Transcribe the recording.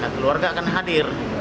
keluarga akan hadir